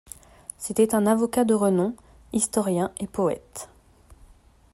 C'était un avocat de renom, historien et poète.